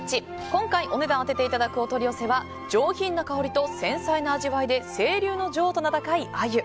今回お値段を当てていただくお取り寄せは上品な香りと繊細な味わいで清流の女王と名高いアユ。